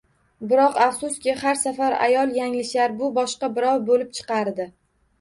Biroq, afsuski, har safar ayol yanglishar, bu boshqa birov bo`lib chiqardi